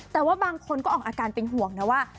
แต่ว่าบางคนก็ออกอาการเป็นห่วงนะว่า